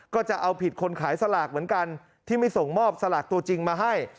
ก็จะเอาผิดคนขายสลากเหมือนกันที่ไม่ส่งมอบสลากตัวจริงมาให้